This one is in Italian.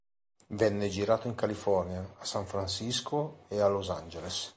Venne girato in California, a San Francisco e a Los Angeles.